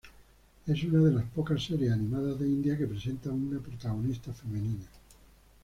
Es una de las pocas series animadas de India que presenta una protagonista femenina.